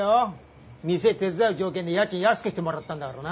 店手伝う条件で家賃安くしてもらったんだからな。